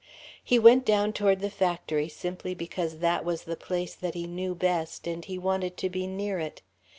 He went down toward the factory simply because that was the place that he knew best, and he wanted to be near it.